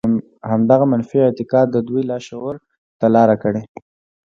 همدغه منفي اعتقاد د دوی لاشعور ته لاره کړې.